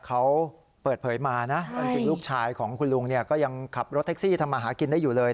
เขาเปิดเผยมานะจริงลูกชายของคุณลุงเนี่ยก็ยังขับรถแท็กซี่ทำมาหากินได้อยู่เลย